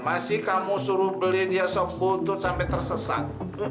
masih kamu suruh beli dia sok buntut sampai tersesat